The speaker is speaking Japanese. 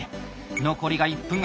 残りが１分半。